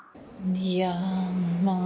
いやまあ。